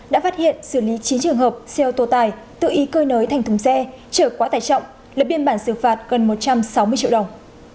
đã phát hiện xử lý chín trường hợp xe ô tô tải tự ý cơi nới thành thùng xe trở quá tải trọng lập biên bản xử phạt gần một trăm sáu mươi triệu đồng